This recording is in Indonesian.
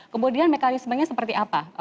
kemudian mekanismenya seperti apa